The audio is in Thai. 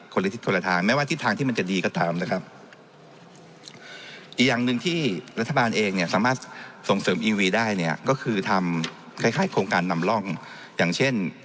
คล้ายโครงการนำร่องอย่างเช่น